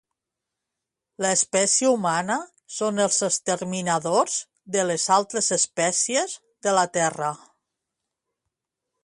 L'espècie humana són els exterminadors de les altres espècies de la Terra